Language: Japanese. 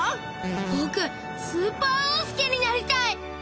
ぼくスーパーおうすけになりたい！